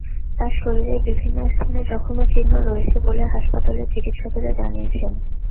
তাঁর শরীরের বিভিন্ন স্থানে জখমের চিহ্ন রয়েছে বলে হাসপাতালের চিকিৎসকেরা জানিয়েছেন।